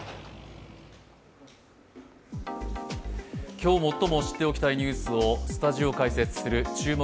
今日、最も知っておきたいニュースをスタジオ解説する「注目！